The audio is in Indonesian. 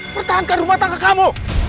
pertahankan rumah tangga kamu